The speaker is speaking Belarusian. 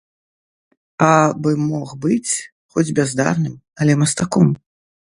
А бы мог быць хоць бяздарным, але мастаком.